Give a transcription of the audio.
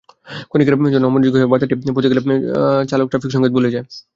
ক্ষণিকের জন্য অমনোযোগী হয়ে বার্তাটি পড়তে গেলে চালক ট্রাফিক সংকেত ভুলে যায়।